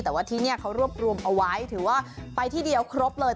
แต่ว่าที่นี่เขารวบรวมเอาไว้ถือว่าไปที่เดียวครบเลย